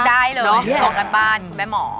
ได้เลยส่งกันบ้านแม่หมอ